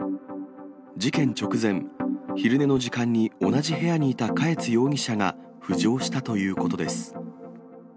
事件直前、昼寝の時間に同じ部屋にいた嘉悦容疑者が浮上したということです。